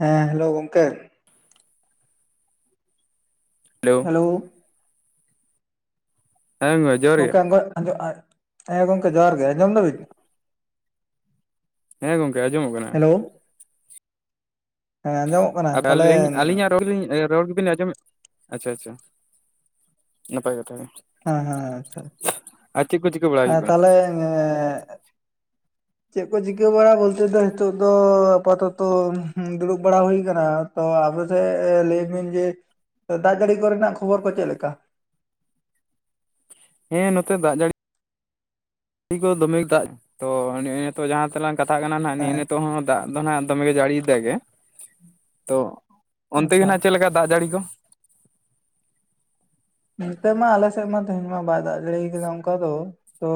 ᱦᱮᱸ ᱦᱮᱞᱳ ᱜᱚᱝᱠᱮ᱾ ᱦᱮᱞᱳ [unintelligible] [unintelligible] ᱜᱚᱝᱠᱮᱸ ᱟᱹᱜᱚᱡ ᱟᱹᱧᱡᱚ ᱟᱭ ᱦᱮᱸ ᱜᱚᱝᱠᱮ ᱡᱚᱦᱟᱨ ᱜᱮ ᱟᱸᱡᱚᱢ ᱫᱟ ᱵᱤᱱ? ᱦᱮᱸ ᱜᱚᱝᱠᱮ ᱟᱸᱡᱚᱢᱚᱜ ᱠᱟᱱᱟ᱾ ᱦᱮᱸ ᱟᱡᱚᱢᱚᱜ ᱟᱫᱚ ᱟᱹᱧ ᱟᱹᱞᱤᱧᱟᱜ ᱨᱚᱲ ᱞᱤᱧ ᱨᱚᱲ ᱜᱮᱵᱤᱱ ᱟᱸᱡᱚᱢᱮᱜ ᱟᱪᱷᱟ ᱪᱷᱟ ᱱᱟᱯᱟᱭ ᱠᱟᱛᱷᱟ ᱜᱮ ᱾ ᱦᱮᱸ ᱦᱮᱸ ᱟᱪᱪᱷᱟ, ᱟᱨ ᱪᱮ ᱠᱚ ᱪᱮᱠ ᱟᱨ ᱛᱟᱦᱚᱞᱮ ᱪᱮᱫ ᱠᱚ ᱪᱤᱠᱟᱹ ᱵᱟᱲᱟ ᱵᱚᱞᱛᱮ ᱫᱚ ᱱᱤᱛᱚᱜ ᱫᱚ ᱟᱯᱟᱛᱚᱛᱚ ᱫᱩᱲᱩᱵ ᱵᱟᱲᱟ ᱦᱩᱭ ᱠᱟᱱᱟ ᱛᱚ ᱟᱯᱮᱥᱮᱜ ᱞᱟᱹᱭ ᱵᱤᱱ ᱡᱮ ᱫᱟᱜ ᱡᱟᱹᱲᱤ ᱠᱚᱨᱮᱱᱟᱜ ᱠᱷᱚᱵᱚᱨ ᱠᱚ ᱪᱮᱫ ᱞᱮᱠᱟ? ᱦᱮᱸ ᱱᱚᱛᱮ ᱫᱟᱜ ᱡᱟᱹᱲᱤ [inaudible] ᱠᱚ ᱫᱚᱢᱮ ᱫᱟᱜ ᱛᱚ ᱱᱮᱜ ᱮ ᱱᱤᱛᱚᱜ ᱡᱟᱦᱟᱸ ᱛᱟᱞᱟᱝ ᱠᱟᱛᱷᱟ ᱠᱟᱱᱟ ᱱᱟᱦᱟᱸᱜ ᱱᱤᱭᱟᱹ ᱦᱮᱸ ᱱᱤᱛ ᱛᱚ ᱦᱚᱸ ᱫᱟᱜ ᱫᱚ ᱱᱟᱜ ᱫᱚᱢᱮ ᱜᱮ ᱡᱟᱹᱲᱤᱭ ᱛᱟᱦᱮᱸ ᱜᱮ, ᱛᱚ ᱚᱱᱛᱮ ᱜᱮ ᱟᱪᱪᱷᱟ ᱱᱦᱟᱜ ᱪᱮᱫ ᱞᱮᱠᱟ ᱫᱟᱜ ᱡᱟᱹᱲᱤ ᱠᱚ? ᱱᱚᱛᱮ ᱢᱟ ᱟᱞᱮ ᱥᱮᱫ ᱢᱟ ᱛᱮᱦᱮᱧ ᱢᱟ ᱵᱟᱭ ᱫᱟᱜ ᱡᱟᱲᱤ ᱠᱟᱫᱟ ᱚᱱᱠᱟ ᱫᱚ, ᱛᱚ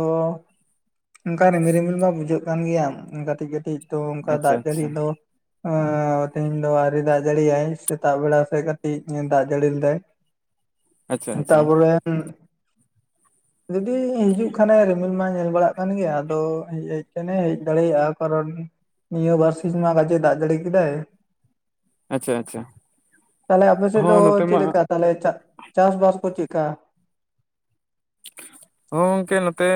ᱚᱱᱠᱟ ᱨᱤᱢᱤᱞ ᱨᱤᱢᱤᱞ ᱢᱟ ᱵᱩᱡᱷᱟᱹᱜ ᱠᱟᱱ ᱜᱮᱭᱟ ᱠᱟᱹᱴᱤᱡ ᱠᱟᱹᱴᱤᱡ ᱛᱚ ᱚᱱᱠᱟ ᱟᱪᱪᱷᱟ ᱫᱟᱜ ᱡᱟᱹᱲᱤ ᱟᱪᱪᱷᱟ ᱫᱚ ᱦᱸ ᱛᱮᱦᱮᱧ ᱫᱚ ᱟᱹᱨᱤ ᱫᱟᱜ ᱡᱟᱹᱲᱤ ᱭᱟᱭ ᱥᱮᱛᱟᱜ ᱵᱮᱲᱟ ᱥᱮᱜ ᱠᱟᱹᱴᱤᱡ ᱫᱟᱜ ᱡᱟᱹᱲᱤ ᱞᱮ ᱫᱟᱭ ᱟᱪᱪᱷᱟ ᱟᱪᱪᱷᱟ ᱛᱟᱯᱚᱨᱮ ᱡᱩᱫᱤ ᱦᱤᱡᱩᱜ ᱠᱷᱟᱱᱮ ᱨᱤᱢᱤᱞ ᱢᱟ ᱧᱮᱞ ᱵᱟᱲᱟᱜ ᱠᱟᱱ ᱜᱮᱭᱟ, ᱟᱫᱚ ᱦᱮᱡ ᱠᱷᱟᱱᱮ ᱦᱮᱡ ᱫᱟᱲᱮᱭᱟᱜᱼᱟ ᱠᱟᱨᱚᱱ ᱱᱤᱭᱟᱹ ᱵᱟᱹᱨᱥᱤᱧ ᱢᱟ ᱠᱟᱡᱮ ᱫᱟᱜ ᱡᱟᱹᱲᱤ ᱠᱮᱫᱟᱭ, ᱟᱪᱪᱷᱟ ᱟᱪᱪᱷᱟ ᱛᱟᱦᱚᱞᱮ ᱟᱯᱮ ᱥᱮᱫ ᱦᱚᱸ ᱫᱚ ᱱᱚᱛᱮ ᱢᱟ ᱪᱮᱫ ᱞᱮᱠᱟ ᱛᱟᱦᱚᱞᱮ ᱪᱟᱜ ᱪᱟᱥᱼᱵᱟᱥ ᱠᱚ ᱪᱮᱜᱠᱟ? ᱦᱚᱸ ᱜᱚᱝᱠᱮ ᱱᱚᱛᱮ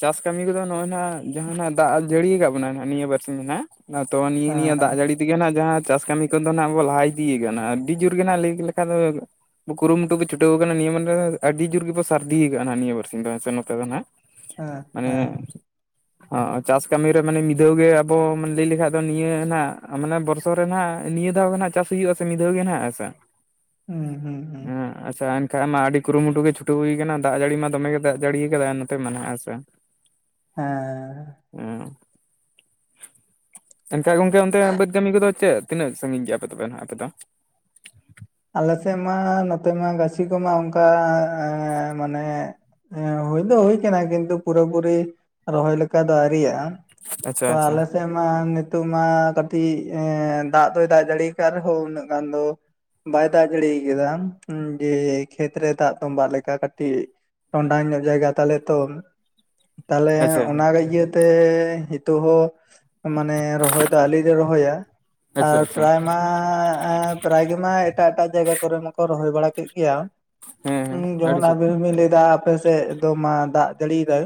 ᱪᱟᱥ ᱠᱟᱹᱢᱤ ᱠᱚᱫᱚ ᱱᱚᱜᱼᱱᱟ ᱡᱟᱦᱟᱸᱱᱟᱜ ᱫᱟᱜ ᱡᱟᱹᱲᱤ ᱠᱟᱫ ᱵᱚᱱᱟ ᱱᱤᱭᱟᱹ ᱵᱟᱨᱥᱤᱧ ᱫᱚ ᱱᱟᱜ ᱱᱟᱛᱚ ᱱᱤᱭᱟᱹ ᱱᱤᱭᱟᱹ ᱫᱟᱜ ᱦᱮᱸ ᱡᱟᱹᱲᱤ ᱛᱮᱜᱮ ᱱᱟᱜ ᱡᱟᱦᱟᱸ ᱪᱟᱥ ᱠᱟᱹᱢᱤ ᱠᱚᱫᱚ ᱱᱟᱜ ᱵᱚᱱ ᱞᱟᱦᱟ ᱤᱫᱤᱭ ᱠᱟᱱᱟ ᱟᱹᱰᱤ ᱡᱳᱨ ᱜᱮ ᱱᱟᱜ ᱞᱟᱹᱭ ᱞᱮᱠᱷᱟᱱ ᱫᱚ ᱠᱩᱨᱩ ᱢᱩᱴᱩ ᱠᱚ ᱪᱷᱩᱴᱟᱹᱣ ᱠᱟᱱᱟ ᱱᱤᱭᱟᱹ ᱢᱚᱱᱮᱨᱮ ᱟᱹᱰᱤ ᱡᱳᱨ ᱜᱮᱵᱚᱱ ᱥᱟᱨᱫᱤ ᱠᱟᱜ ᱦᱟ ᱱᱤᱭᱟᱹ ᱵᱟᱨᱥᱤᱧ ᱫᱚ ᱦᱮᱸᱥᱮ ᱱᱚᱛᱮ ᱫᱚ ᱱᱟᱸᱜ ᱦᱮᱸ ᱦᱮᱸ ᱢᱟᱱᱮ [inaudible] ᱚ ᱪᱟᱥ ᱠᱟᱹᱢᱤ ᱨᱮ ᱢᱟᱱᱮ ᱢᱤᱫ ᱫᱷᱟᱣ ᱜᱮ ᱟᱵᱚ ᱞᱟᱹᱭ ᱞᱮᱠᱷᱟᱡ ᱫᱚ ᱱᱤᱭᱟᱹ ᱢᱟᱱᱮ ᱵᱚᱨᱥᱚ ᱨᱮ ᱱᱟᱜ ᱱᱤᱭᱟᱹ ᱫᱷᱟᱣ ᱜᱮ ᱱᱟᱜ ᱪᱟᱥ ᱦᱩᱭᱩᱜᱼᱟ ᱥᱮ ᱢᱤᱫ ᱫᱷᱟᱣ ᱜᱮ ᱱᱟᱸᱜ ᱦᱮᱸᱥᱮ᱾ ᱦᱩᱸ ᱦᱩᱸ ᱦᱩᱸ᱾ ᱦᱮᱸ ᱟᱪᱪᱷᱟ ᱮᱱᱠᱷᱟᱱ ᱢᱟ ᱟᱹᱰᱤ ᱠᱩᱨᱩᱢᱩᱴᱩ ᱜᱮ ᱪᱷᱩᱴᱟᱹᱣ ᱦᱩᱭ ᱠᱟᱱᱟ ᱫᱟᱜ ᱡᱟᱹᱲᱤ ᱢᱟ ᱫᱚᱢᱮ ᱜᱮ ᱫᱟᱜ ᱡᱟᱲᱤ ᱠᱟᱫᱟᱭ ᱱᱚᱛᱮ ᱢᱟ ᱱᱟᱦᱟᱸᱜ ᱠᱟᱼᱼ ᱦᱮᱸᱻ᱾ ᱩᱸᱻ ᱮᱱᱠᱟᱷᱟᱡ ᱜᱚᱝᱠᱮ ᱚᱱᱛᱮ ᱵᱟᱹᱫᱽ ᱠᱟᱹᱢᱤ ᱠᱚᱫᱚ ᱪᱮᱫ ᱛᱤᱱᱟᱹᱜ ᱥᱟᱺᱜᱤᱧ ᱠᱮᱜ ᱟᱯᱮ ᱛᱚᱵᱮ ᱱᱟᱦᱟᱸᱜ ᱟᱯᱮ ᱫᱚ? ᱟᱞᱮ ᱥᱮᱜ ᱢᱟ ᱱᱚᱛᱮ ᱢᱟ ᱜᱟᱹᱪᱷᱤ ᱠᱚᱢᱟ ᱚᱱᱠᱟ ᱮᱸ ᱢᱟᱱᱮ ᱮᱸ ᱦᱩᱭ ᱫᱚ ᱦᱩᱭ ᱠᱟᱱᱟ ᱠᱤᱱᱛᱩ ᱯᱩᱨᱟᱹ ᱯᱩᱨᱤ ᱨᱚᱦᱚᱭ ᱞᱮᱠᱟ ᱫᱚ ᱟᱣᱨᱤᱭᱟᱜᱼᱟ᱾ ᱟᱪᱪᱷᱟ ᱛᱚ ᱟᱪᱪᱷᱟ ᱟᱞᱮ ᱥᱮᱜ ᱢᱟ ᱱᱤᱛᱚᱜ ᱢᱟ ᱠᱟᱴᱤᱡ ᱮᱸ ᱫᱟᱜ ᱫᱚᱭ ᱫᱟᱜ ᱡᱟᱲᱤᱭ ᱠᱟᱜ ᱨᱮᱦᱚᱸ ᱩᱱᱟᱹᱜ ᱜᱟᱱ ᱫᱚ ᱵᱟᱭ ᱫᱟᱜ ᱡᱟᱹᱲᱤ ᱠᱟᱫᱟ ᱩᱸ ᱡᱮ ᱠᱷᱮᱛ ᱨᱮ ᱫᱟᱜ ᱛᱚᱸᱵᱟᱜ ᱞᱮᱠᱟ ᱠᱟᱴᱤᱡ ᱴᱚᱸᱰᱟᱝ ᱧᱚᱜ ᱡᱟᱭᱜᱟ ᱛᱟᱞᱮ ᱛᱚ ᱛᱟᱦᱞᱮ ᱟᱪᱪᱷᱟ ᱟᱪᱪᱷᱟ ᱚᱱᱟ ᱫᱟ ᱤᱭᱟᱹ ᱛᱮ ᱦᱤᱸᱛᱚᱜ ᱦᱚᱸ ᱢᱟᱱᱮ ᱨᱚᱦᱚᱭ ᱫᱚ ᱟᱞᱤ ᱨᱮ ᱨᱚᱦᱚᱭᱟ᱾ ᱟᱪᱪᱷᱟ ᱟᱨ ᱟᱪᱪᱷᱟ ᱯᱨᱟᱭ ᱢᱟ ᱟᱸᱻ ᱯᱨᱟᱭ ᱜᱮ ᱢᱟᱭ ᱮᱴᱟᱜ ᱡᱟᱭᱜᱟ ᱠᱚᱨᱮ ᱢᱟᱠᱚ ᱨᱚᱦᱚᱭ ᱵᱟᱲᱟ ᱠᱮᱜ ᱜᱮᱭᱟᱸ ᱦᱮᱸ ᱦᱮᱸ ᱩᱱ ᱟᱹᱰᱤ ᱡᱮᱢᱚᱱ ᱟᱨ ᱥᱚᱠ ᱟᱵᱤᱱ ᱦᱚᱸ ᱵᱤᱱ ᱞᱟᱹᱭ ᱫᱟ ᱟᱯᱮ ᱥᱮᱜ ᱫᱚ ᱢᱟ ᱫᱟᱜ ᱡᱟᱲᱤᱭ ᱫᱟᱭ,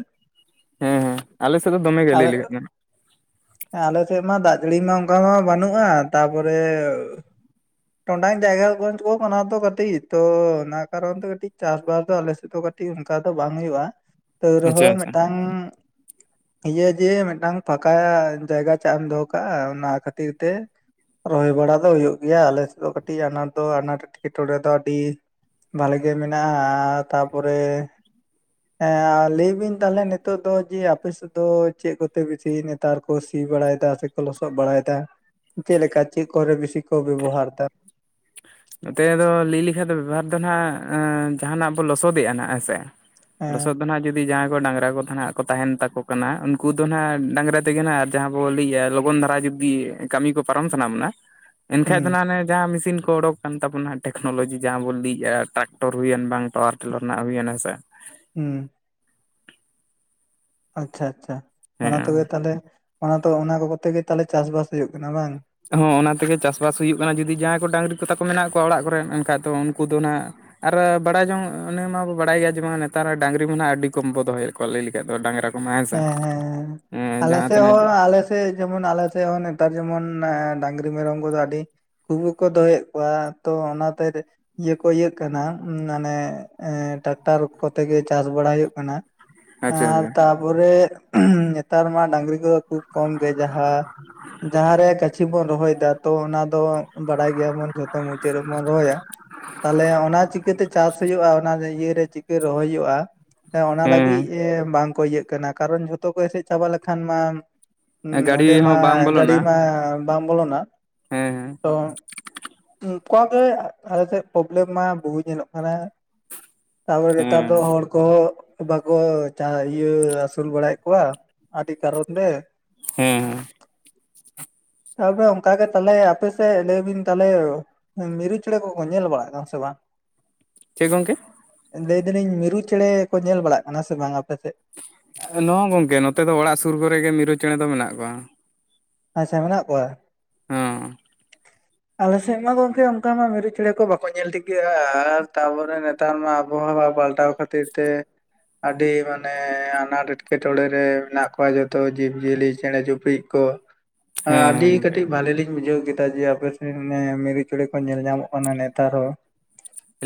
ᱦᱮᱸ ᱦᱮᱸ ᱟᱞᱮ ᱥᱮᱜ ᱫᱚᱢᱮ ᱜᱮ ᱞᱟᱹᱭ ᱞᱮᱜᱟᱜ ᱠᱟᱱᱟ᱾ ᱦᱮᱸ ᱟᱞᱮ ᱥᱮᱜ ᱢᱟ ᱫᱟᱜ ᱡᱟᱹᱲᱤ ᱢᱟ ᱚᱱᱠᱟ ᱢᱟ ᱵᱟᱱᱩᱜᱼᱟ ᱛᱟᱨᱯᱚᱨᱮ ᱴᱚᱰᱟᱝ ᱡᱟᱭᱜᱟ ᱜᱚᱸᱡᱽ ᱠᱚ ᱚᱱᱟ ᱫᱚ ᱠᱟᱹᱴᱤᱡ ᱛᱚ ᱚᱱᱟ ᱠᱟᱨᱚᱱ ᱛᱮ ᱠᱟᱹᱴᱤᱡ ᱪᱟᱥ ᱵᱟᱥ ᱫᱚ ᱟᱞᱮ ᱥᱮᱜ ᱫᱚ ᱠᱟ ᱴᱤᱡ ᱚᱱᱠᱟ ᱫᱚ ᱵᱟᱝ ᱦᱩᱭᱩᱜᱼᱟ, ᱛᱟᱹᱣ ᱟᱪᱪᱷᱟ ᱨᱮᱦᱚᱸ ᱟᱪᱪᱷᱟ ᱢᱮᱜᱴᱟᱝ ᱤᱭᱟᱹ ᱡᱮ ᱢᱮᱜᱴᱟᱝ ᱯᱷᱟᱠᱟ ᱡᱟᱭᱜᱟ ᱪᱟᱜ ᱮᱢ ᱫᱚᱦᱚ ᱠᱟᱜᱼᱟ, ᱚᱱᱟ ᱠᱷᱟᱹᱛᱤᱨ ᱛᱮ ᱨᱚᱦᱚᱭ ᱵᱟᱲᱟ ᱫᱚ ᱦᱩᱭᱩᱜ ᱜᱮᱭᱟ ᱟᱞᱮ ᱥᱮᱜ ᱫᱚ ᱠᱟ ᱴᱤᱡ ᱟᱱᱟᱴ ᱫᱚ ᱟᱱᱟᱴ ᱮᱴᱠᱮᱴᱚᱬᱮ ᱫᱚ ᱟᱹᱰᱤ ᱵᱷᱟᱞᱮ ᱜᱮ ᱢᱮᱱᱟᱜᱼᱟ ᱟᱻ ᱛᱟ ᱯᱚᱨᱮ ᱮᱸ ᱟᱻ ᱞᱟᱹᱭ ᱵᱤᱱ ᱛᱟᱦᱚᱞᱮ ᱱᱤᱛᱚᱜ ᱫᱚ ᱡᱮ ᱟᱯᱮ ᱥᱮᱜ ᱫᱚ ᱪᱮᱜ ᱠᱚᱛᱮ ᱵᱤᱥᱤ ᱱᱮᱛᱟᱨ ᱠᱚ ᱥᱤ ᱵᱟᱲᱟᱭ ᱫᱟ ᱥᱮ ᱠᱚ ᱞᱚᱥᱚᱜ ᱵᱟᱲᱟᱭ ᱫᱟ, ᱪᱮᱜ ᱞᱮᱠᱟ ᱪᱮᱜ ᱠᱚᱨᱮ ᱵᱤᱥᱤ ᱠᱚ ᱵᱮᱵᱚᱦᱟᱨ ᱫᱟ? ᱱᱚᱛᱮ ᱫᱚ ᱞᱤᱭ ᱞᱮᱠᱷᱟᱡ ᱫᱚ ᱵᱮᱵᱚᱦᱟᱨ ᱫᱚ ᱱᱟᱦᱟᱸᱜ ᱟᱸᱻ ᱡᱟᱦᱟᱸ ᱱᱟᱜ ᱵᱚ ᱞᱚᱥᱚᱫᱮᱜ-ᱟ ᱱᱟᱸᱜ ᱦᱮᱸᱥᱮ ᱦᱮᱸ ᱞᱚᱥᱚᱫ ᱫᱚ ᱱᱟᱦᱟᱸᱜ ᱡᱩ ᱫᱤ ᱡᱟᱦᱟᱸᱭ ᱠᱚ ᱰᱟᱝᱨᱟ ᱠᱚ ᱛᱟᱦᱮᱸᱱᱟ ᱠᱚ ᱛᱟᱦᱮᱸᱱ ᱛᱟᱠᱚ ᱠᱟᱱᱟ, ᱩᱱᱠᱩ ᱫᱚ ᱱᱟᱦᱟᱸᱜ ᱰᱟᱝᱨᱟ ᱛᱮᱜᱮ ᱱᱟᱦᱟᱸᱜ ᱟᱨ ᱡᱟᱦᱟᱸ ᱵᱚᱱ ᱞᱟᱹᱭᱮᱜᱼᱟ ᱞᱚᱜᱚᱱ ᱫᱷᱟᱨᱟ ᱡᱩᱫ ᱫᱤᱭᱟᱹ ᱠᱟᱢᱤ ᱠᱚ ᱯᱟᱨᱚᱢ ᱠᱟᱱᱟ ᱢᱟᱱᱮ? ᱮᱱᱠᱷᱟᱡ ᱦᱩᱸ ᱫᱚ ᱱᱟᱦᱟᱸᱜ ᱚᱱᱮ ᱡᱟᱦᱟᱸ ᱢᱤᱥᱤᱱ ᱠᱚ ᱚᱰᱳᱠ ᱠᱟᱱ ᱛᱟᱵᱚᱱᱟ ᱴᱮᱠᱱᱳᱞᱚᱡᱤ ᱡᱟᱦᱟᱸ ᱵᱚᱱ ᱞᱟᱹᱭᱮᱜᱼᱟ ᱴᱨᱟᱠᱴᱚᱨ ᱦᱩᱭᱮᱱ ᱵᱟᱝ ᱯᱟᱣᱟᱨ ᱴᱤᱞᱟᱨ ᱨᱮᱱᱟᱜ ᱦᱩᱭᱮᱱ ᱦᱮᱸᱥᱮ᱾ ᱦᱩᱸ᱾ ᱟᱪᱪᱷᱟ ᱟᱪᱪᱷᱟ ᱚᱱᱟ ᱦᱮᱸ ᱛᱮᱜᱮ ᱛᱟᱦᱚᱞᱮ ᱚᱱᱟ ᱛᱚ ᱚᱱᱟ ᱠᱚ ᱠᱚᱛᱮ ᱜᱮ ᱛᱟᱦᱚᱞᱮ ᱪᱟᱥ ᱵᱟᱥ ᱦᱩᱭᱩᱜ ᱠᱟᱱᱟ ᱵᱟᱝ? ᱦᱚᱸ ᱚᱱᱟ ᱛᱮᱜᱮ ᱪᱟᱥᱼᱵᱟᱥ ᱦᱩᱭᱩᱜ ᱠᱟᱱᱟ ᱡᱩᱫᱤ ᱡᱟᱦᱟᱸᱭ ᱠᱚ ᱰᱟᱹᱝᱨᱤ ᱠᱚ ᱛᱟᱠᱚ ᱢᱮᱱᱟᱜ ᱠᱚᱣᱟ ᱚᱲᱟᱜ ᱠᱚᱨᱮᱱ ᱮᱱᱠᱷᱟᱡ ᱫᱚ ᱩᱱᱠᱩ ᱫᱚ ᱱᱟᱦᱟᱸᱜ ᱟᱨ ᱵᱟᱲᱟᱭ ᱡᱚᱝ ᱚᱱᱮ ᱢᱟᱵᱚᱱ ᱵᱟᱲᱟᱭ ᱜᱮᱭᱟ ᱡᱮᱢᱚᱱ ᱱᱮᱛᱟᱨ ᱰᱟᱝᱨᱤ ᱢᱟ‌ ᱱᱟᱦᱟᱸᱜ ᱟᱹᱰᱤ ᱠᱚᱢ ᱵᱚ ᱫᱚᱦᱚᱭᱮᱜ ᱠᱚᱣᱟ ᱞᱟᱹᱭ ᱞᱮᱠᱷᱟᱡ ᱫᱚ ᱰᱟᱝᱨᱟᱠᱼᱼ ᱢᱮᱸ ᱥᱟ ᱦᱮᱸ ᱮᱸ ᱡᱟᱦᱟᱸ ᱛᱤᱱᱟᱹᱜᱼᱼ ᱛᱮᱭ ᱡᱮᱢᱚᱱ ᱟᱞᱮ ᱥᱮᱜ ᱦᱚᱸ ᱱᱮᱛᱟᱨ ᱡᱮᱢᱚᱱ ᱮᱻ ᱰᱟᱝᱨᱤ ᱢᱮᱨᱚᱢ ᱠᱚᱫᱚ ᱟᱰᱤᱼᱼ ᱠᱩᱵᱩ ᱠᱚ ᱫᱚᱦᱚᱭᱮᱜ ᱠᱚᱣᱟ ᱛᱚ ᱚᱱᱟ ᱛᱮᱼᱼ ᱤᱭᱟᱹ ᱠᱚ ᱤᱭᱟᱹᱜ ᱠᱟᱱᱟ ᱩᱸ ᱢᱟᱱᱮ ᱮᱸ ᱴᱨᱟᱠᱴᱟᱨ ᱠᱚᱛᱮ ᱜᱮ ᱪᱟᱥ ᱵᱟᱲᱟ ᱦᱳᱭᱳᱜ ᱠᱟᱱᱟ᱾ ᱟᱪᱪᱷᱟ ᱟᱸ ᱟᱪᱪᱷᱟ ᱛᱟᱯᱚᱨᱮ ᱷᱩᱸᱦ ᱱᱮᱛᱟᱨ ᱢᱟ ᱰᱟᱝᱨᱤ ᱠᱚᱫᱚ ᱠᱷᱩᱵᱷ ᱠᱚᱢ ᱜᱮ ᱡᱟᱦᱟᱸᱼᱼ ᱡᱟᱦᱟᱸ ᱨᱮ ᱜᱟᱹᱪᱷᱤ ᱵᱚᱱ ᱨᱚᱦᱚᱭ ᱫᱟ ᱛᱚ ᱚᱱᱟ ᱫᱚ ᱵᱟᱲᱟᱭ ᱜᱮᱭᱟ ᱵᱚᱱ ᱡᱷᱚᱛᱚ ᱢᱩᱪᱟᱹᱫ ᱨᱮᱵᱚᱱ ᱨᱚᱦᱚᱭᱟ ᱛᱟᱞᱮ ᱚᱱᱟ ᱪᱤᱠᱟᱹ ᱛᱮ ᱪᱟᱥ ᱦᱳᱭᱳᱜ-ᱟ ᱚᱱᱟ ᱤᱭᱟᱹ ᱨᱮ ᱪᱤᱠᱟᱹ ᱨᱚᱦᱚᱭ ᱦᱳᱭᱳᱜ-ᱟ? ᱥᱮ ᱚᱱᱟ ᱞᱟᱹᱜᱤᱡ ᱮ ᱦᱮᱸ ᱵᱟᱝ ᱠᱚ ᱤᱭᱟᱹᱜ ᱠᱟᱱᱟ ᱠᱟᱨᱚᱱ ᱡᱷᱚᱛᱚ ᱠᱚ ᱮᱥᱮᱫ ᱪᱟᱵᱟ ᱞᱮᱠᱷᱟᱱ ᱢᱟᱼᱼ ᱩᱸ, ᱜᱟᱹᱰᱤ ᱱᱚᱸᱰᱮ ᱦᱚᱸ ᱢᱟ ᱵᱟᱝ ᱜᱟᱹᱲᱤ ᱵᱚᱞᱚᱱᱟ ᱢᱟ ᱵᱟᱝ ᱵᱚᱞᱚᱱᱟ ᱦᱮᱸ ᱛᱚᱼᱼ ᱩᱝᱠᱟ ᱜᱮ ᱮ ᱟᱞᱮ ᱥᱮᱫ ᱯᱨᱚᱵᱽᱞᱮᱢ ᱢᱟ ᱵᱚᱦᱩ ᱧᱮᱞᱚᱜ ᱠᱟᱱᱟ ᱾ ᱛᱟᱯᱚᱨᱮ ᱦᱮᱸ ᱱᱮᱛᱟᱨ ᱫᱚ ᱦᱮᱸ ᱦᱚᱲ ᱠᱚ ᱵᱟᱠᱚ ᱪᱟ ᱤᱭᱟ ᱟᱥᱩᱞ ᱵᱟᱲᱟᱭᱮᱜ ᱠᱚᱣᱟ ᱟᱰᱤ ᱠᱟᱨᱚᱱ ᱛᱮᱼᱼ ᱦᱮᱸ-ᱦᱮᱸ᱾ ᱱᱮᱛᱟᱨ ᱫᱚ ᱚᱝᱠᱟ ᱜᱮ ᱛᱟᱞᱦᱮ ᱟᱯᱮᱥᱮᱜ ᱞᱟᱹᱭ ᱵᱤᱱ ᱛᱟᱞᱦᱮ ᱢᱤᱨᱩ ᱪᱮᱸᱬᱮ ᱠᱚᱠᱚ ᱧᱮᱞ ᱵᱟᱲᱟᱜ ᱠᱟᱱᱟ ᱥᱮ ᱵᱟᱝ? ᱪᱮᱜ ᱜᱚᱝᱠᱮ? ᱞᱟᱹᱭ ᱫᱟᱞᱤᱧ ᱢᱤᱨᱩ ᱪᱮᱬᱮ ᱠᱚ ᱧᱮᱞ ᱵᱟᱲᱟᱜ ᱠᱟᱱᱟ ᱥᱮ ᱵᱟᱝ ᱟᱯᱮᱥᱮᱜ? ᱱᱚ ᱜᱚᱝᱠᱮ ᱱᱚᱛᱮ ᱫᱚ ᱚᱲᱟᱜ ᱥᱩᱨ ᱠᱚᱨᱮ ᱜᱮ ᱢᱤᱨᱩ ᱪᱮᱸᱬᱮ ᱫᱚ ᱢᱮᱱᱟᱜ ᱠᱚᱣᱟ ᱾ ᱟᱪ-ᱪᱷᱟ, ᱢᱮᱱᱟᱜ ᱠᱚᱣᱟ ᱾ ᱦᱮᱸ ᱾ ᱴᱷᱮᱡ ᱾ ᱟᱞᱮᱥᱮᱜ ᱢᱟ ᱜᱚᱝᱠᱮ ᱚᱝᱠᱟ ᱢᱟ ᱢᱤᱨᱩ ᱪᱮᱬᱮ ᱠᱚ ᱵᱟᱠᱚ ᱧᱮᱞ ᱴᱷᱤᱠᱟᱹᱜᱼᱟ ᱟᱨ ᱛᱟᱯᱚᱨᱮ ᱱᱮᱛᱟᱨ ᱢᱟ ᱟᱵᱚᱦᱟᱣᱟ ᱯᱟᱞᱴᱟᱣ ᱠᱷᱟᱹᱛᱤᱨ ᱛᱮ ᱟᱰᱤ ᱢᱟᱱᱮ ᱟᱱᱟᱴ ᱮᱴᱠᱮᱴᱚᱬᱮ ᱨᱮ ᱢᱮᱱᱟᱜ ᱠᱚᱣᱟ ᱡᱚᱛᱚ ᱡᱤᱵᱽ ᱡᱤᱭᱟᱹᱞᱤ ᱪᱮᱸᱬᱮ ᱪᱩᱯᱲᱤᱡ ᱠᱚ ᱾ ᱦᱮᱸ ᱟᱰᱤ ᱦᱮᱸ ᱜᱚᱝᱠᱮ ᱠᱟᱹᱴᱤᱡ ᱵᱷᱟᱞᱮᱹ ᱞᱤᱧ ᱵᱩᱡᱷᱟᱹᱣ ᱠᱮᱫᱟ ᱡᱮ ᱟᱯᱮ ᱥᱮᱱ ᱮᱢ ᱢᱤᱨᱩ ᱪᱮᱸᱬᱮ ᱠᱚ ᱧᱮᱞ ᱧᱟᱢᱚᱜ ᱠᱟᱱᱟ ᱱᱮᱛᱟᱨ ᱦᱚ ᱾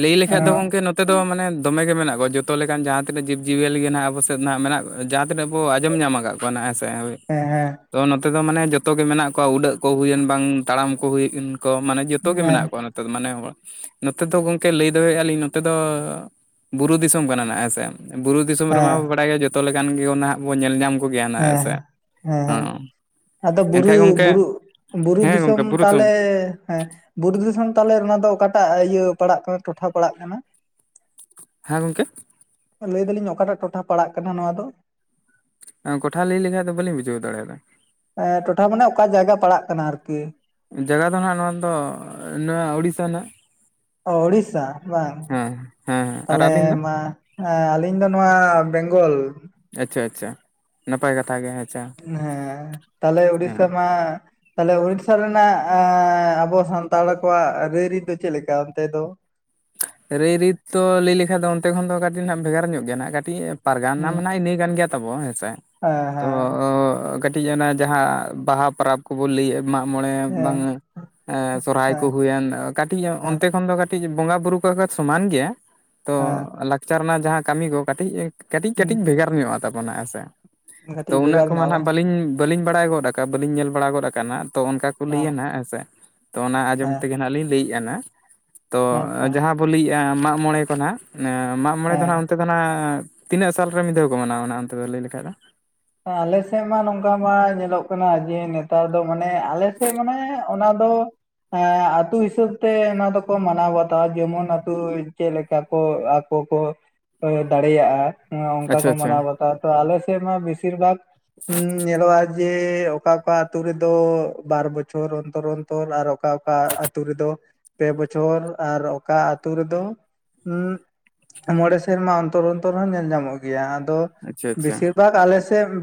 ᱞᱮᱹᱭ ᱞᱮᱠᱷᱟᱡ ᱫᱚ ᱜᱚᱝᱠᱮ ᱱᱚᱛᱮ ᱫᱚ ᱢᱟᱱᱮ ᱫᱚᱢᱮᱹᱜᱮ ᱢᱮᱱᱟᱜ ᱠᱚᱣᱟ ᱡᱚᱛᱚ ᱞᱮᱠᱟᱱ ᱡᱟᱦᱟᱸ ᱛᱤᱱᱟᱹᱜ ᱡᱤᱵᱽᱡᱤᱤᱭᱟᱹᱞᱤ ᱜᱮ ᱱᱟᱦᱟᱜ ᱟᱵᱚ ᱥᱮᱫ ᱱᱟᱦᱟᱜ ᱢᱮᱱᱟᱜ ᱡᱟᱦᱟᱸ ᱛᱤᱱᱟᱜ ᱵᱚᱱ ᱟᱸᱡᱚᱢ ᱧᱟᱢ ᱟᱠᱟᱫ ᱾ ᱵᱚᱱ ᱦᱮᱸ ᱥᱮ ᱦᱳᱭ ᱾ ᱦᱮᱸ-ᱦᱮᱸ ᱾ ᱛᱚ ᱱᱚᱛᱮ ᱫᱚ ᱢᱟᱱᱮ ᱡᱚᱛᱚ ᱜᱮ ᱢᱮᱱᱟᱜ ᱠᱚᱣᱟ ᱩᱰᱟᱹᱜ ᱠᱚ ᱦᱩᱭᱮᱱ ᱵᱟᱝ ᱛᱟᱲᱟᱢ ᱠᱚ ᱦᱩᱭᱮᱱ ᱠᱚ ᱢᱟᱱᱮ ᱡᱚᱛᱚ ᱜᱮ ᱦᱮᱸ ᱦᱮᱸ ᱢᱮᱱᱟᱜ ᱠᱚᱣᱟ ᱱᱚᱛᱮ ᱫᱚ ᱢᱟᱱᱮ ᱦᱚᱲ ᱱᱚᱛᱮ ᱫᱚ ᱜᱚᱝ ᱞᱮᱹᱭ ᱫᱟᱲᱮᱭᱟᱜ ᱟ ᱞᱤᱧ ᱱᱚᱛᱮ ᱫᱚ ᱵᱩᱨᱩ ᱫᱤᱥᱚᱢ ᱠᱟᱱᱟ ᱱᱟᱜ ᱦᱮᱸᱥᱮ ᱵᱩᱨᱩ ᱫᱤᱥᱚᱢ ᱨᱮᱢᱟ ᱦᱮᱸ ᱟᱭᱳ ᱡᱚᱛᱚ ᱞᱮᱠᱟᱱ ᱜᱮ ᱱᱟᱦᱟᱜ ᱵᱚᱱ ᱧᱮᱞ ᱧᱟᱢ ᱠᱚᱜᱮᱭᱟ ᱦᱮᱸᱥᱮ ᱦᱮᱸ ᱦᱮᱸ ᱟᱸ ᱾ ᱟᱫᱚ ᱵᱩᱨᱩ, ᱵᱩᱨᱩ, ᱵᱩᱨᱩ ᱦᱮᱸ ᱫᱤᱥᱚᱢ ᱜᱚᱝᱠᱮ ᱵᱩᱨᱩ ᱛᱟᱞᱦᱮ ᱮᱸ ᱵᱩᱨᱩ ᱫᱤᱥᱚᱢ ᱛᱟᱦᱞᱮ ᱚᱱᱟ ᱫᱚ ᱚᱠᱟᱴᱟᱜ ᱤᱭᱟᱹ ᱯᱟᱲᱟᱜ ᱠᱟᱱᱟ ᱴᱚᱴᱷᱟ ᱯᱟᱲᱟᱜ ᱠᱟᱱᱟ? ᱦᱮᱸ ᱜᱚᱝᱠᱮ ᱞᱟᱹᱭ ᱫᱟᱞᱤᱧ ᱚᱠᱟᱴᱟᱜ ᱴᱚᱴᱷᱟ ᱯᱟᱲᱟᱜ ᱠᱟᱱᱟ ᱱᱚᱣᱟ ᱫᱚ? ᱮᱸ, ᱠᱚᱴᱷᱟ ᱞᱟᱹᱭ ᱞᱮᱠᱷᱟᱱ ᱵᱟᱞᱤᱧ ᱵᱩᱡᱷᱟᱹᱣ ᱫᱟᱲᱮᱭᱟᱫᱟ? ᱮᱸ ᱴᱚᱴᱷᱟ ᱢᱟᱱᱮ ᱚᱠᱟ ᱡᱟᱭᱜᱟ ᱯᱟᱲᱟᱜ ᱠᱟᱱᱟ ᱟᱨᱠᱤ? ᱡᱟᱭᱜᱟ ᱫᱚ ᱦᱟᱜ ᱱᱚᱣᱟ ᱫᱚ ᱱᱚᱣᱟ ᱩᱲᱤᱥᱥᱟ ᱱᱟᱜ ᱾ ᱚ, ᱩᱲᱤᱥᱥᱟ ᱾ ᱵᱟᱝ, ᱦᱮᱸ ᱦᱮᱸ ᱦᱮᱸ ᱟᱨ ᱛᱟᱞᱦᱮ ᱟᱹᱵᱤᱱ ᱫᱚ ᱢᱟ ᱟᱹᱞᱤᱧ ᱫᱚ ᱱᱚᱣᱟ ᱵᱮᱝᱜᱚᱞ ᱾ ᱟᱪ-ᱪᱷᱟ -ᱟᱪ-ᱪᱷᱟ, ᱱᱟᱯᱟᱭ ᱠᱟᱛᱷᱟ ᱜᱮ ᱦᱮᱸ ᱾ ᱟᱪᱪᱷᱟ ᱦᱮᱸ ᱛᱟᱦᱞᱮ ᱩᱲᱤᱥᱥᱟ ᱢᱟᱼᱼ ᱛᱟᱦᱚᱞᱮ ᱩᱲᱤᱥᱥᱟ ᱨᱮᱱᱟᱜ ᱟᱵᱚ ᱥᱟᱱᱛᱟᱲ ᱠᱚᱣᱟᱜ ᱨᱟᱹᱭᱨᱤᱛ ᱫᱚ ᱪᱮᱫᱠᱟ ᱚᱱᱛᱮ ᱫᱚ? ᱨᱟᱹᱭ ᱨᱤᱛ ᱛᱚ ᱞᱟᱹᱭ ᱞᱮᱠᱷᱟᱱ ᱫᱚ ᱚᱱᱛᱮ ᱠᱷᱚᱱ ᱫᱚ ᱠᱟᱹᱴᱤᱡ ᱦᱟᱸᱜ ᱵᱷᱮᱜᱟᱨ ᱧᱚᱜ ᱜᱮᱭᱟ ᱦᱟᱸᱜ ᱠᱟᱹᱴᱤᱡ ᱯᱟᱨᱜᱟᱱᱟ ᱦᱩᱸ ᱢᱮᱱᱟᱜ ᱤᱱᱟᱹᱼᱼ ᱜᱮ ᱛᱟᱵᱚ ᱦᱮᱸᱥᱮ ᱦᱮᱸ ᱛᱚᱼᱼ ᱦᱮᱸ ᱠᱟᱹᱴᱤᱡ ᱚᱱᱟ ᱡᱟᱦᱟᱸ ᱵᱟᱦᱟ ᱯᱟᱨᱟᱵᱽ ᱠᱚᱵᱚ ᱞᱟᱹᱭᱮᱼᱼ ᱢᱟᱜᱢᱚᱬᱮ ᱦᱮᱸ ᱵᱟᱝ ᱥᱚᱨᱦᱟᱭ ᱠᱚ ᱦᱮᱸ ᱦᱩᱭᱮᱱ ᱠᱟᱹᱴᱤᱡ ᱦᱮᱸ ᱚᱱᱛᱮ ᱠᱷᱚᱱ ᱫᱚ ᱠᱟᱹᱴᱤᱡᱼᱼ ᱵᱚᱸᱜᱟ ᱵᱩᱨᱩ ᱠᱚ ᱥᱚᱢᱟᱱ ᱜᱮᱭᱟ᱾ ᱦᱸᱻ ᱞᱟᱠᱪᱟᱨ ᱨᱮᱱᱟᱜ ᱡᱟᱦᱟᱸ ᱠᱟᱹᱢᱤ ᱠᱚ ᱠᱟᱹᱴᱤᱡ ᱠᱟᱹᱴᱤᱡ ᱠᱟᱹᱴᱤᱡ ᱦᱮᱸ ᱵᱷᱮᱜᱟᱨ ᱧᱚᱜᱼᱟ ᱛᱟᱵᱚᱱᱟ ᱦᱮᱸ ᱥᱮ ᱠᱟᱹᱴᱤᱡ ᱛᱚ ᱩᱱᱟᱹᱜ ᱵᱷᱮᱜᱟᱨ ᱠᱚᱢᱟ ᱧᱚᱜᱼᱟ ᱱᱟᱜ ᱵᱟᱹᱞᱤᱧᱼᱼ ᱵᱟᱹᱞᱤᱧ ᱵᱟᱲᱟᱭ ᱜᱚᱫ ᱟᱠᱟᱫ ᱵᱟᱹᱞᱤᱧ ᱧᱮᱞ ᱵᱟᱲᱟ ᱜᱚᱫ ᱟᱠ ᱦᱟᱜ ᱛᱚ ᱚᱱᱠᱟ ᱠᱚ ᱞᱟᱹᱭᱟ ᱵᱟᱝ ᱱᱟᱦᱟᱜ ᱦᱮᱸᱥᱮ ᱛᱚ ᱚᱱᱟ ᱟᱸᱡᱚᱢ ᱦᱮᱸ ᱛᱮᱜᱮ ᱱᱟᱦᱟᱜ ᱞᱤᱧ ᱞᱟᱹᱭᱮᱫᱼᱟᱱᱟ᱾ ᱛᱚ ᱦᱮᱸ ᱟᱪᱪᱷᱟ ᱡᱟᱦᱟᱸ ᱵᱚ ᱞᱟᱹᱭᱮᱫᱼᱟ ᱢᱟᱜ ᱢᱚᱬᱮ ᱠᱚᱦᱟᱜ ᱢᱟᱜ ᱢᱚᱬᱮ ᱫᱚ ᱦᱮᱸ ᱱᱟᱦᱟᱜ ᱚᱱᱛᱮᱼᱼ ᱛᱤᱱᱟᱹᱜ ᱥᱟᱞᱨᱮ ᱢᱤᱫ ᱫᱷᱟᱣ ᱠᱚ ᱢᱟᱱᱟᱣᱟ ᱚᱱᱟ ᱚᱱᱛᱮ ᱫᱚ ᱞᱟᱹᱭ ᱞᱮᱠᱷᱟᱡ ᱫᱚ? ᱟᱞᱮ ᱥᱮᱫ ᱢᱟ ᱱᱚᱝᱼᱠᱟ ᱢᱟ ᱧᱮᱞᱚᱜ ᱠᱟᱱᱟ ᱡᱮ ᱱᱮᱛᱟᱨ ᱫᱚ ᱢᱟᱱᱮ ᱟᱞᱮ ᱥᱮᱫ ᱢᱟᱱᱮ ᱚᱱᱟ ᱫᱚᱼᱼ ᱦᱮᱸ ᱟᱛᱩ ᱦᱤᱥᱟᱹᱵ ᱛᱮ ᱚᱱᱟ ᱫᱚᱠᱚ ᱢᱟᱱᱟᱣ ᱵᱟᱛᱟᱣᱟ ᱡᱮᱢᱚᱱ ᱟᱛᱩ ᱪᱮᱫ ᱞᱮᱠᱟ ᱠᱚᱼᱼ ᱠᱚᱠᱚ ᱫᱟᱲᱮᱭᱟᱜᱼᱟ᱾ ᱚᱱᱠᱟ ᱟᱪᱪᱷᱟ ᱠᱚ ᱟᱪᱪᱷᱟ ᱢᱟᱱᱟᱣ ᱵᱟᱛᱟᱣᱟ ᱛᱚ ᱟᱞᱮ ᱥᱮᱫ ᱢᱟ ᱵᱮᱥᱤᱨ ᱵᱷᱟᱜ ᱧᱮᱞᱚᱜᱼᱟ᱾ ᱡᱮ ᱚᱠᱟ ᱚᱠᱟ ᱟᱛᱳ ᱨᱮᱫᱚ ᱵᱟᱨ ᱵᱚᱪᱷᱚᱨ ᱚᱱᱛᱚᱨ ᱚᱱᱛᱚᱨ ᱟᱨ ᱚᱠᱟ ᱚᱠᱟ ᱟᱛᱳ ᱨᱮᱫᱚᱼᱼ ᱯᱮ ᱵᱚᱪᱷᱚᱨ ᱟᱨ ᱚᱠᱟ ᱟᱹᱛᱩᱳ ᱨᱮᱫᱚ ᱦᱮ ᱢᱚᱬᱮ ᱥᱮᱨᱢᱟ ᱚᱱᱛᱚᱨ ᱚᱱᱛᱚᱨ ᱦᱚᱸ ᱧᱮᱞ ᱧᱟᱢᱚᱜ ᱜᱮᱭᱟ ᱟᱫᱚ ᱟᱪᱪᱷᱟ ᱟᱪᱪᱷᱟ ᱵᱮᱥᱤ ᱵᱷᱟᱜ ᱟᱞᱮᱼᱼ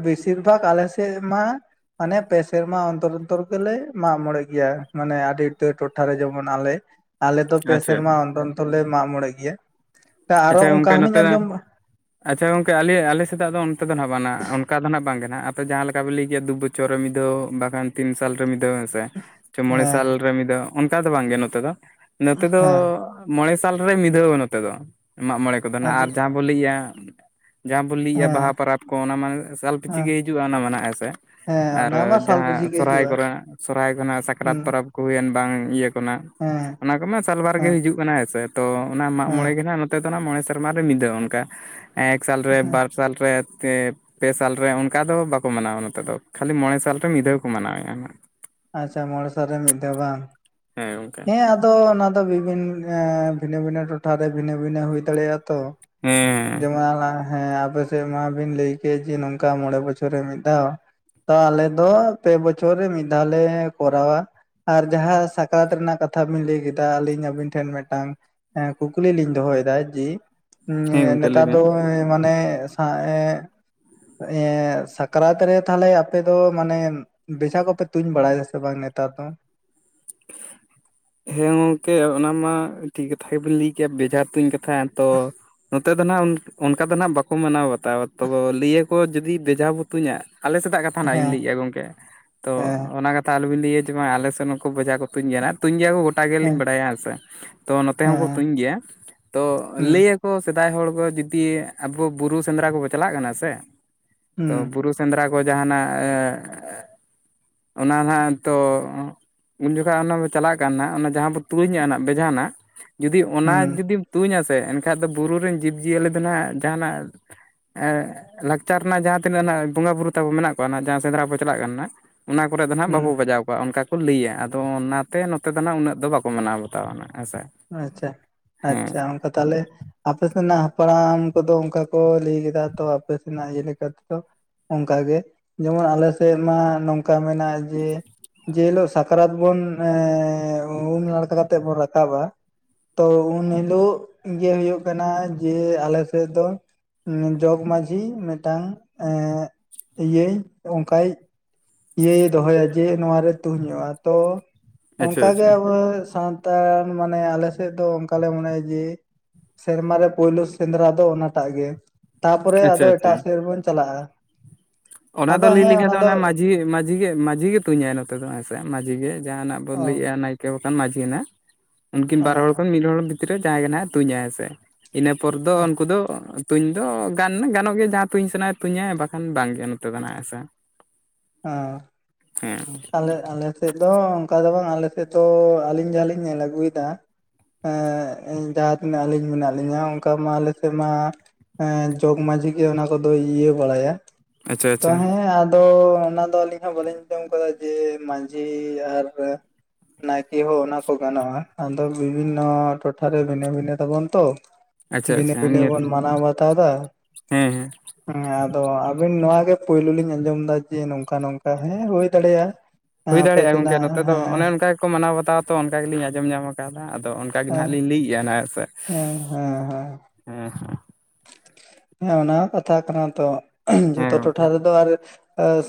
ᱵᱮᱥᱤ ᱵᱷᱟᱜᱽ ᱟᱞᱮᱥᱮᱫ ᱢᱟ ᱢᱟᱱᱮ ᱯᱮ ᱥᱮᱨᱢᱟ ᱚᱱᱛᱚᱨ ᱚᱱᱛᱚᱨ ᱜᱮᱞᱮ ᱢᱟᱜ ᱢᱚᱬᱮ ᱜᱮᱭᱟ ᱢᱟᱱᱮ ᱟᱹᱰᱤ ᱩᱛᱟᱹᱨ ᱴᱚ ᱴᱷᱟᱨᱮ ᱡᱮᱢᱚᱱ ᱟᱞᱮ ᱟᱞᱮᱚ ᱯᱮ ᱟᱪᱪᱷᱟ ᱥᱮᱨᱢᱟ ᱚᱱᱛᱚᱨ ᱚᱱᱛᱚᱨ ᱞᱮ ᱢᱟᱜ ᱢᱚᱬᱮ ᱜᱮᱭᱟ ᱟᱨᱚ ᱟᱪᱪᱷᱟ ᱚᱱᱠᱟ ᱜᱚᱝᱠᱮ ᱦᱚᱞᱤᱧ ᱱᱚᱛᱮ ᱟᱸᱡᱚᱢᱟᱼᱼ ᱟᱪᱪᱷᱟ ᱜᱚᱝᱼᱠᱮ ᱟᱞᱮ ᱟᱞᱮ ᱮᱫᱟᱜ ᱫᱚ ᱚᱱᱛᱮ ᱫᱚ ᱦᱜ ᱵᱟᱝ ᱚᱱᱠᱟ ᱫᱚ ᱟᱸᱱᱟᱜ ᱵᱟᱝᱜᱮ ᱦᱱᱟᱜ ᱡᱟᱦᱟᱸ ᱞᱮᱠᱟᱯᱮ ᱞᱟᱹᱭ ᱠᱮᱫᱮᱜᱭᱟ ᱫᱩ ᱵᱚᱪᱷᱚᱨ ᱨᱮ ᱢᱤᱫᱷᱟᱣ ᱵᱟᱠᱷᱟᱱ ᱛᱤᱱ ᱥᱟᱞᱨᱮ ᱢᱤᱫ ᱫᱷᱟᱣ ᱦᱮᱸ ᱢᱚᱬᱮ ᱥᱟᱞ ᱨᱮ ᱢᱤᱫ ᱫᱷᱟᱣ ᱚᱱᱠᱟ ᱫᱚ ᱵᱟᱝᱜᱮ ᱱᱚᱛᱮ ᱫᱚ ᱱᱚᱛᱮ ᱫᱚ ᱦᱮᱸ ᱢᱚᱬᱮ ᱥᱟᱞᱨᱮ ᱢᱤᱫ ᱫᱟᱹᱣᱟ ᱱᱚᱛᱮ ᱫᱚ ᱢᱟᱜ ᱢᱚᱬᱮ ᱠᱚᱫᱚ ᱦᱟᱸᱜ ᱟᱫᱚ ᱟᱨ ᱡᱟᱦᱟᱸ ᱵᱚᱱ ᱞᱟᱹᱭᱮᱭᱼᱟ᱾ ᱡᱟᱦᱟᱸ ᱵᱚᱱ ᱞᱟᱹᱭᱮᱫᱼᱟ ᱵᱟᱦᱟ ᱦᱮᱸ ᱯᱚᱨᱚᱵᱽ ᱠᱚ ᱚᱱᱟ ᱢᱟᱱᱮ ᱮᱞ ᱯᱤᱪᱷᱤ ᱦᱮᱸ ᱜᱮ ᱦᱤᱡᱩᱜᱼᱟ ᱚᱱᱟ ᱢᱟ ᱦᱮᱸ ᱥᱮ ᱦᱮᱸ ᱟᱨᱚ ᱚᱱᱟ ᱢᱟ ᱥᱟᱞ ᱡᱟᱦᱟᱸ ᱯᱤᱪᱷᱤ ᱜᱮ ᱥᱚᱨᱦᱟᱭ ᱦᱤᱡᱩᱜᱼᱟ ᱠᱚᱨᱮ ᱥᱚᱨᱦᱟᱭ ᱠᱚᱨᱮᱱᱟᱜ ᱦᱩᱸ ᱥᱟᱠᱨᱟᱛ ᱯᱚᱨᱚᱵᱽᱼᱼ ᱦᱩᱭᱮᱱ ᱵᱟᱝ ᱤᱭᱟᱹ ᱠᱚᱱᱟᱜ ᱦᱮᱸ ᱚᱱᱟ ᱠᱚᱢᱟ ᱥᱟᱞᱵᱟᱨ ᱦᱮᱸ ᱜᱮ ᱦᱤᱡᱩᱜ ᱠᱟᱱᱟ ᱦᱮᱸᱥᱮ ᱛᱚ ᱚᱱᱟ ᱢᱟᱜᱽ ᱦᱮᱸ ᱢᱚᱬᱮ ᱜᱮ ᱱᱟᱼᱼ ᱱᱚᱛᱮ ᱫᱚ ᱢᱚᱬᱮ ᱥᱮᱨᱢᱟ ᱨᱮ ᱢᱤ ᱫᱷᱟᱣ ᱚᱱᱠᱟ ᱮᱠ ᱥᱟᱞ ᱨᱮ ᱵᱟᱨ ᱥᱟᱞ ᱨᱮᱼᱼ ᱯᱮ ᱥᱟᱞᱨᱮ ᱚᱱᱠᱟ ᱫᱚ ᱵᱟᱠᱚ ᱢᱟᱱᱟᱣᱟ ᱱᱚᱛᱮ ᱫᱚ ᱠᱷᱟᱹᱞᱤ ᱢᱚᱬᱮ ᱥᱟᱞᱨᱮ ᱢᱤᱫ ᱫᱷᱟᱹᱣ ᱠᱚ ᱢᱟᱱᱟᱣᱮᱜᱼᱟ ᱦᱟᱸᱜ, ᱟᱪᱪᱷᱟ ᱢᱚᱬᱮ ᱥᱟᱞ ᱨᱮ ᱢᱤᱫ ᱫᱷᱟᱣ ᱵᱟᱝ ᱦᱮᱸ ᱜᱚᱝᱠᱮ ᱦᱮᱸ ᱫᱚ ᱚᱱᱟ ᱫᱚ ᱵᱤᱵᱷᱤᱱ ᱵᱷᱤᱱᱟᱹ ᱵᱷᱤᱱᱟᱹ ᱴᱚᱴᱷᱟᱨᱮ ᱵᱷᱤᱱᱟᱹ ᱵᱷᱤᱱᱟᱹ ᱦᱩᱭ ᱫᱟᱲᱮᱭᱟᱜᱼᱟ ᱛᱚ᱾ ᱦᱮᱸᱻ ᱡᱮᱢᱚᱱ ᱦᱮᱸ ᱟᱯᱮ ᱥᱮᱫ ᱢᱟᱵᱤᱱ ᱞᱟᱹᱭ ᱠᱮᱜ ᱡᱮ ᱱᱚᱝᱠᱟ ᱢᱚᱬᱮ ᱵᱚᱪᱷᱚᱨ ᱨᱮ ᱢᱤᱫ ᱫᱷᱟᱣ᱾ ᱛᱚ ᱟᱞᱮ ᱫᱚ ᱯᱮ ᱵᱚᱪᱷᱚᱨ ᱨᱮ ᱢᱤᱫ ᱫᱷᱟᱣ ᱞᱮ ᱠᱚᱨᱟᱣᱟ᱾ ᱟᱨ ᱡᱟᱦᱟᱸ ᱥᱟᱠᱨᱟᱛ ᱨᱮᱱᱟᱜ ᱠᱟᱛᱷᱟ ᱵᱤᱱ ᱞᱟᱹᱭ ᱠᱮᱫᱟ ᱟᱹᱞᱤᱧ ᱟᱵᱤᱱ ᱴᱷᱮᱱ ᱢᱤᱫᱴᱟᱝ, ᱦᱮᱸ ᱠᱩᱠᱞᱤ ᱞᱤᱧ ᱫᱚᱦᱚᱭᱮᱫᱟ ᱡᱮ ᱦᱮᱸ ᱜᱚᱝᱠᱮ ᱞᱟᱹᱭ ᱱᱮᱛᱟᱨ ᱵᱤᱱ ᱫᱚ ᱢᱟᱱᱮᱼᱼ ᱦᱟ ᱮᱸ ᱥᱟᱠᱨᱟᱛ ᱨᱮ ᱛᱟᱦᱚᱞᱮ ᱟᱯᱮ ᱫᱚ ᱢᱟᱱᱮ ᱵᱮᱡᱷᱟ ᱠᱚᱯᱮᱼᱼ ᱛᱩᱧ ᱵᱟᱲᱟᱭᱮᱫᱟ ᱥᱮ ᱵᱟᱝ ᱱᱮᱛᱟᱨ ᱫᱚ? ᱦᱮᱸ ᱜᱚᱝᱠᱮ ᱚᱱᱟ ᱢᱟ ᱴᱷᱤᱠ ᱠᱟᱛᱷᱟ ᱜᱮᱵᱮᱱ ᱞᱟᱹᱭ ᱠᱮᱭᱟ ᱵᱮᱡᱟᱨ ᱛᱩᱧ ᱠᱟᱼᱼ ᱛᱟᱦᱮᱸᱫ ᱛᱚ ᱱᱚᱛᱮ ᱫᱚ ᱱᱟᱱᱟᱜ ᱚᱱᱠᱟ ᱫᱚ ᱢᱟᱱᱟᱜ ᱵᱟᱠᱟᱲᱲ ᱢᱟᱱᱟᱣ ᱵᱟᱛᱟᱣᱟ ᱛᱚ ᱞᱤᱭᱟᱹ ᱠᱚ, ᱠᱚ ᱡᱩᱫᱤ ᱵᱷᱮᱡᱟ ᱵᱚ ᱛᱩᱧᱟ ᱟᱞᱮ ᱥᱮᱫᱟᱜ ᱠᱟᱛᱷᱟ ᱱᱟᱦᱟᱜ ᱤᱧ ᱦᱮᱸ ᱞᱟᱹᱭᱮᱜᱼᱟ ᱜᱚᱝᱠᱮ, ᱛᱚ ᱦᱮᱸ ᱚᱱᱟ ᱠᱟᱛ ᱛᱟᱞᱮᱵᱤᱱ ᱞᱮᱭᱟ ᱡᱮ ᱵᱟᱝ ᱟᱞᱮᱥᱮᱱ ᱦᱚᱠᱩ ᱵᱚᱡᱷᱟ ᱠᱚ ᱛᱩᱧ ᱜᱮᱭᱟ ᱦᱟᱸᱜ ᱛᱩᱧ ᱜᱮᱭᱟ ᱠᱚ ᱜᱚ ᱜᱚᱴᱟ ᱜᱮᱞᱤᱧ ᱵᱟᱲᱟᱭᱟ ᱦᱮᱸ ᱥᱮ ᱛᱚ ᱱᱚᱛᱮ ᱦᱚᱸᱠᱚ ᱦᱮᱸ ᱛᱩᱧ ᱜᱮᱭᱟ ᱛᱚ ᱦᱩᱸ ᱞᱟᱹᱭᱟ ᱠᱚ ᱥᱮᱫᱟᱭ ᱦᱚᱲ ᱠᱚ ᱡᱩᱫᱤ ᱟᱵᱚ ᱵᱩᱨᱩ ᱥᱮᱸᱫᱽᱨᱟ ᱠᱚᱠᱚ ᱪᱟᱞᱟᱜ ᱠᱟᱱᱟ ᱥᱮ ᱦᱩᱸ ᱛᱚ ᱵᱩᱨᱩ ᱥᱮᱸᱫᱽᱨᱟ ᱠᱚ ᱡᱟᱦᱟᱱᱟᱜ ᱚᱱᱟ ᱱᱟᱦᱟᱜ ᱛᱚ ᱩᱱ ᱡᱚᱠᱷᱟᱡ ᱚᱱᱟ ᱵᱚᱱ ᱪᱟᱞᱟᱜ ᱠᱟᱱ ᱱᱟᱦᱟᱜ ᱚᱱᱟ ᱡᱟᱦᱟᱸ ᱵᱚ ᱛᱩᱧᱟ ᱵᱮᱡᱷᱟ ᱱᱟᱜ ᱡᱩᱫᱤ ᱚᱱᱟ ᱦᱩᱸ ᱡᱩᱫᱤᱢ ᱛᱩᱧᱟᱥᱮ ᱮᱱᱠᱷᱟᱡ ᱫᱚ ᱵᱩᱨᱩ ᱨᱮᱱ ᱡᱤᱵᱽᱼᱡᱤᱭᱟᱹᱞᱤ ᱫᱚ ᱱᱟᱦᱟᱜ ᱡᱟᱦᱟᱱᱟᱜ ᱞᱟᱠᱪᱟᱨ ᱨᱮᱱᱟᱜ ᱡᱟᱦᱟᱸ ᱛᱤᱱᱟᱹᱜ ᱱᱟᱦᱟᱜ ᱵᱚᱸᱜᱟᱼᱵᱩᱨᱩ ᱛᱟᱵᱚ ᱢᱮᱱᱟᱜ ᱠᱚᱣᱟ ᱦᱟᱸᱜ ᱡᱟᱦᱟᱸ ᱥᱮᱫᱽᱨᱟ ᱵᱚᱱ ᱪᱟᱞᱟᱜ ᱠᱟᱱᱟ ᱱᱟᱸᱜ ᱚᱱᱟ ᱠᱚᱨᱮ ᱫᱚ ᱱᱟᱦᱟᱜ ᱦᱩᱸ ᱵᱟᱵᱚ ᱵᱟᱡᱟᱣ ᱠᱚᱣᱟ ᱚᱱᱠᱟ ᱠᱚ ᱞᱟᱹᱭᱟ, ᱟᱨ ᱛᱚ ᱚᱱᱱᱟᱛᱮ ᱱᱚᱛᱮ ᱫᱚ ᱱᱟᱦᱟᱜ ᱩᱱᱟᱹᱜ ᱫᱚ ᱵᱟᱠᱚ ᱢᱟᱱᱟᱣ ᱵᱟᱛᱟᱣᱟᱱᱟ ᱱᱟᱸᱜ ᱦᱮᱸ ᱥᱮ᱾ ᱟᱪᱪᱷᱟ ᱟᱪᱪᱷᱟ ᱚᱱᱠᱟ ᱛᱟᱞᱮ ᱟᱯᱮ ᱥᱮᱱᱟᱜ ᱦᱟᱯᱲᱟᱢ ᱠᱚᱫᱚ ᱚᱱᱠᱟ ᱠᱚ ᱞᱟᱹᱭ ᱞᱮᱫᱟ ᱛᱚ ᱟᱯᱮ ᱥᱮᱱᱟᱜ ᱤᱭᱟᱹ ᱞᱮᱠᱟ ᱛᱮᱫᱚ ᱚᱝᱠᱟ ᱜᱮ, ᱡᱮᱢᱚᱱ ᱟᱞᱮ ᱥᱮᱫ ᱢᱟ ᱱᱚᱝᱠᱟ ᱢᱮᱱᱟᱜ᱾ ᱡᱮ, ᱡᱮ ᱦᱤᱞᱳᱜ ᱥᱟᱠᱨᱟᱛ ᱵᱚᱱ ᱩᱢ ᱱᱟᱲᱠᱟ ᱠᱟᱛᱮᱜ ᱵᱚᱱ ᱨᱟᱠᱟᱵ-ᱟ᱾ ᱛᱚ, ᱩᱱ ᱦᱤᱞᱳᱜ ᱜᱮ ᱦᱩᱭᱩᱜ ᱠᱟᱱᱟ ᱡᱮ ᱟᱞᱮ ᱥᱮᱫ ᱫᱚ ᱡᱚᱜᱽᱢᱟᱺᱡᱷᱤ ᱢᱤᱫᱴᱟᱝ ᱮᱸ ᱤᱭᱟᱹᱭ ᱚᱱᱠᱟᱭ ᱤᱭᱟᱹᱭ ᱫᱚᱦᱚᱭᱟ ᱡᱮ ᱱᱚᱣᱟ ᱨᱮ ᱛᱩᱧ ᱦᱩᱭᱩᱜᱼᱟ ᱛᱚ ᱟᱪᱪᱷᱟ ᱚᱱᱠᱟᱜᱮ ᱟᱪᱪᱷᱟ ᱟᱵᱚ ᱥᱟᱱ ᱛᱟᱲ ᱢᱟᱱᱮ ᱟᱞᱮᱥᱮᱫ ᱫᱚ ᱚᱱᱠᱟ ᱞᱮ ᱢᱚᱱᱮᱭᱟ ᱡᱮ ᱥᱮᱨᱢᱟᱨᱮ ᱯᱳᱭᱞᱳ ᱥᱮᱸᱫᱽᱨᱟ ᱫᱚ ᱚᱱᱟᱴᱟᱜ ᱜᱮ ᱛᱟᱯᱚᱨᱮ ᱟᱪᱪᱷᱟ ᱟᱫᱚ ᱟᱪᱪᱷᱟ ᱮᱴᱟᱜ ᱥᱮᱫ ᱵᱚᱱ ᱪᱟᱞᱟᱜᱼᱟ᱾ ᱚᱱᱟ ᱫᱚ ᱞᱟᱹᱭ ᱞᱮᱠᱷᱟᱡ ᱫᱚ ᱚᱱᱟ ᱢᱟᱡᱷᱤ ᱢᱟᱡᱷᱤ ᱡᱷᱤ ᱜᱮ ᱢᱟᱡᱷᱤ ᱜᱮ ᱛᱩᱧᱟᱭ ᱱᱚᱛᱮ ᱫᱚ ᱦᱮᱸᱥᱮ ᱢᱟᱹᱡᱷᱤ ᱜᱮ ᱡᱟᱦᱟᱱᱟᱜ ᱵᱚᱱ ᱚ ᱞᱟᱹᱭᱮᱜᱼᱟ ᱱᱟᱭ ᱠᱮ ᱵᱟᱠᱷᱟᱱ ᱢᱟᱹᱡᱷᱤ ᱱᱟ ᱩᱱᱠᱤᱱ ᱚ ᱵᱟᱨ ᱦᱚᱲ ᱠᱷᱚᱱ ᱢᱤᱫ ᱦᱚᱲ ᱵᱷᱤᱛᱨᱤ ᱨᱮ ᱡᱟᱦᱟᱸᱭ ᱜᱮ ᱱᱟᱦᱟᱜ ᱛᱩᱧᱟᱭ ᱦᱮᱸ ᱥᱮ᱾ ᱤᱱᱟᱹ ᱯᱚᱨ ᱫᱚ ᱩᱱᱠᱩ ᱫᱚ ᱛᱩᱧ ᱫᱚ ᱜᱟᱱ ᱜᱟᱱᱚᱜ ᱜᱮᱭᱟ ᱡᱟᱦᱟᱸ ᱛᱩᱧ ᱥᱟᱱᱟᱭᱮ ᱛᱩᱧᱟᱭ ᱵᱟᱠᱷᱟᱱ ᱵᱟᱝᱜᱮ᱾ [unintelligible] ᱦᱮ ᱥᱮ᱾ ᱦᱮᱸ᱾ ᱟᱞᱮ ᱟᱞᱮ ᱥᱮᱫ ᱫᱚ ᱚᱱᱠᱟ ᱫᱚ ᱵᱟᱝ ᱟᱞᱮᱥᱮᱫ ᱫᱚ ᱟᱞᱤᱧ ᱡᱟᱦᱟᱸᱞᱤᱧ ᱧᱮᱞ ᱟᱜᱩᱭᱮᱫᱟ᱾ ᱮᱸ ᱡᱟᱦᱟᱸ ᱛᱤᱱᱟᱹᱜ ᱟᱞᱤᱧ ᱢᱮᱱᱟᱜ ᱞᱤᱧᱟ ᱚᱱᱠᱟ ᱢᱟ ᱟᱞᱮ ᱥᱮᱫ ᱢᱟ ᱮᱸ ᱡᱚᱜᱽᱢᱟᱺᱡᱷᱤ ᱜᱮ ᱚᱱᱟ ᱠᱚᱫᱚᱭ ᱤᱭᱟᱹ ᱵᱟᱲᱟᱭᱟ᱾ ᱟᱪᱪᱷᱟ ᱟᱪᱪᱷᱟ ᱛᱟᱦᱮᱸ ᱟᱫᱚ ᱚᱱᱟ ᱫᱚ ᱟᱹᱞᱤᱧ ᱦᱚᱸ ᱵᱟᱹᱞᱤᱧ [unintelligible] [unintelligible] ᱡᱮ ᱢᱟᱺᱡᱷᱤ ᱟᱨ ᱱᱟᱭᱠᱮ ᱦᱚᱸ ᱚᱱᱟ ᱠᱚ ᱜᱟᱱᱚᱜᱼᱟ, ᱟᱫᱚ ᱵᱤᱵᱷᱤᱱᱱᱚ ᱴᱚᱴᱷᱟᱨᱮ ᱵᱷᱤᱱᱟᱹ ᱵᱷᱤᱱᱟᱹ ᱛᱟᱵᱚᱱ ᱛᱚ᱾ ᱟᱪᱪᱷᱟ ᱵᱷᱤᱱᱟᱹ ᱟᱪᱪᱷᱟ ᱵᱷᱤᱱᱟᱹ ᱱᱤᱭᱟᱹᱛᱮ ᱵᱚᱱ ᱢᱟᱱᱟᱣ ᱵᱟᱛᱟᱣᱫᱟ᱾ ᱦᱮᱸ ᱦᱮᱸ᱾ ᱦᱮᱸ ᱟᱫᱚ ᱟᱵᱤᱱ ᱱᱚᱣᱟ ᱜᱮ ᱯᱩᱭᱞᱩ ᱞᱤᱧ ᱟᱸᱡᱚᱢ ᱫᱟ ᱡᱮ ᱱᱚᱝᱠᱟ ᱱᱚᱝᱠᱟ ᱦᱮᱸ, ᱦᱳᱭ᱾ ᱫᱟᱲᱮᱭᱟᱜᱼᱟ᱾ ᱦᱮᱸ ᱦᱩᱭ ᱟᱯᱮ ᱫᱟᱲᱮᱭᱟᱜᱼᱟ ᱜᱚᱝᱠᱮ, ᱥᱮᱱᱟᱜ ᱱᱚᱛᱮ ᱫᱚ ᱦᱮᱸ ᱚᱱᱮ ᱚᱱᱠᱟ ᱜᱮᱠᱚ ᱢᱟᱱᱟᱣ ᱵᱟᱛᱟᱣᱟᱛᱚ ᱚᱱᱠᱟ ᱜᱮ ᱞᱤᱧ ᱟᱸᱡᱚᱢ ᱧᱟᱢ ᱟᱠᱟᱫᱟ ᱟᱫᱚ ᱚᱱᱟ ᱠᱟᱜᱮ ᱦᱮᱸ ᱱᱟᱦᱟᱜ ᱞᱤᱧ ᱞᱟᱹᱭᱮᱜᱼᱟ ᱱᱟ ᱦᱮᱸ ᱥᱮ᱾ ᱦᱮᱸ ᱦᱮᱸ ᱦᱮᱸ᱾ ᱦᱮᱸ ᱦᱮᱸ᱾ ᱦᱮᱸ, ᱚᱱᱟ ᱦᱚᱸ ᱠᱟᱛᱷᱟ ᱠᱟᱱᱟ ᱛᱚ ᱦᱮᱸ ᱡᱚᱛᱚ ᱜᱚᱝᱠᱮ ᱴᱚᱴᱷᱟ ᱨᱮᱫᱚ ᱟᱨ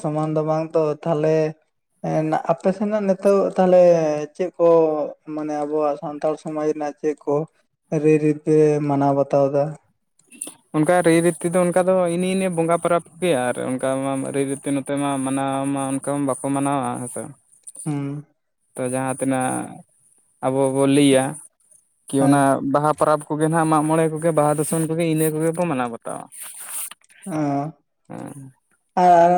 ᱥᱚᱢᱟᱱ ᱫᱚ ᱵᱟᱝ ᱛᱚ ᱛᱷᱟᱞᱮ᱾ ᱮᱸᱻ ᱟᱯᱮ ᱥᱮᱱᱟᱜ ᱱᱤᱛᱚᱜ ᱛᱟᱦᱚᱞᱮ ᱪᱮᱫ ᱠᱚ ᱢᱟᱱᱮ ᱟᱵᱚᱣᱟᱜ ᱥᱟᱱᱛᱟᱲ ᱥᱚᱢᱟᱡ ᱨᱮᱱᱟᱜ? ᱪᱮᱫ ᱠᱚ, ᱨᱟᱹᱭ ᱨᱤᱛᱮ ᱢᱟᱱᱟᱣ ᱵᱟᱛᱟᱣ ᱫᱟ? [inaudible] ᱚᱱᱠᱟ ᱨᱟᱹᱭᱨᱤᱛᱛᱤ ᱫᱚ ᱚᱱᱠᱟ ᱫᱚ ᱤᱱ ᱤᱱᱮ ᱵᱚᱸᱜᱟ ᱯᱚᱨᱟᱵᱽᱜᱮ ᱟᱨ ᱚᱱᱠᱟ ᱢᱟ ᱨᱟᱹᱭᱨᱤᱛᱤ ᱱᱚᱛ ᱱᱚᱛᱮ ᱢᱟ ᱢᱟᱱᱟᱣ ᱢᱟ ᱚᱱᱠᱟ ᱢᱟ ᱵᱟᱠᱚ ᱢᱟᱱᱟᱣᱟ ᱦᱮᱸᱥᱮ᱾ ᱦᱩᱸ ᱛᱚ ᱡᱟᱦᱟᱸ ᱛᱤᱱᱟᱹᱜ ᱟᱵᱚ ᱵᱚ ᱞᱟᱹᱭᱟ ᱠᱤ ᱦᱮᱸ ᱚᱱᱟ ᱵᱟᱦᱟ ᱯᱚᱨᱚᱵᱽ? ᱠᱚᱜᱮ ᱱᱟᱜ ᱢᱟᱜᱽ ᱢᱚᱬᱮ ᱠᱚᱜᱮ ᱵᱟᱦᱟ ᱫᱩᱥᱚᱱ ᱠᱚᱜᱮ ᱤᱱᱟᱹ ᱠᱚᱜᱮ ᱠᱚ ᱢᱟᱱᱟᱣ ᱵᱟᱛᱟᱣᱟ᱾ ᱚ ᱦᱮᱸ ᱟᱨ